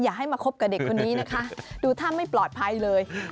ให้มาคบกับเด็กคนนี้นะคะดูท่าไม่ปลอดภัยเลย